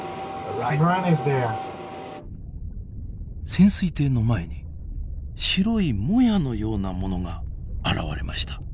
潜水艇の前に白いもやのようなものが現れました。